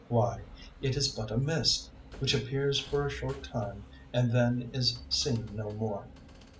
Why, it is but a mist, which appears for a short time and then is seen no more.